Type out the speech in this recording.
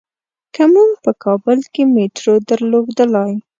که مونږ په کابل کې میټرو درلودلای.